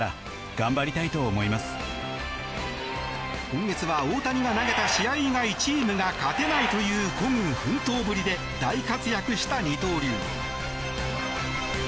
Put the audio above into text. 今月は大谷が投げた試合以外チームが勝てないという孤軍奮闘ぶりで大活躍した二刀流。